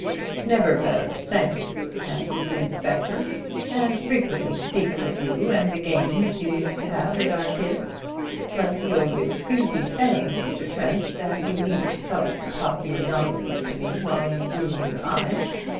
"Never better, thank you," answered the inspector, "and frequently speaks of you and the games you used to have with our kids. But you'll excuse me saying, Mr. Trent, that you needn't trouble to talk your nonsense to me while you're using your eyes.